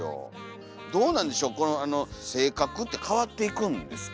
どうなんでしょうこの性格って変わっていくんですかねえ。